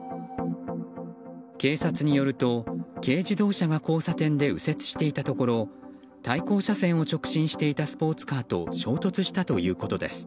警察によると軽自動車が交差点で右折していたところ対向車線を直進していたスポーツカーと衝突したということです。